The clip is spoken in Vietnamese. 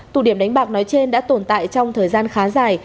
tụ điểm đánh bạc nói trên đã tồn tại trong thời gian khá dài